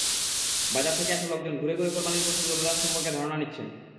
বাজারে আসা লোকজন ঘুরে ঘুরে কোরবানির পশুর দরদাম সম্পর্কে ধারণা নিচ্ছেন।